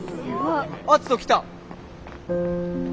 篤人来た。